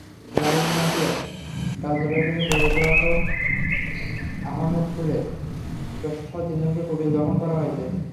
লালমাটিয়ায় কার্যালয়ে ঢুকে প্রকাশক আহমেদুর রশীদসহ তিনজনকে কুপিয়ে জখম করা হয়েছে।